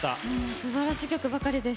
すばらしい曲ばかりです。